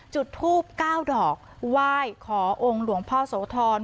จุดทูปเก้าดอกว่ายขอองค์หลวงพ่อโสธร